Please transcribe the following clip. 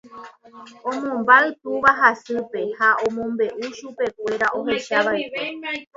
Omombáy túva ha sýpe ha omombe'u chupekuéra ohechava'ekue.